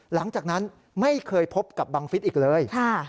หลังจากนั้นไม่เคยพบกับบังฟิศอีกเลย